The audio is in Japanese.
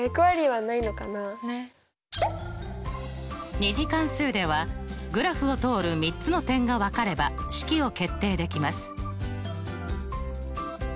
２次関数ではグラフを通る３つの点が分かれば式を決定できます。